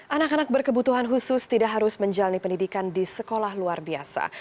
anak anak berkebutuhan khusus tidak harus menjalani pendidikan di sekolah luar biasa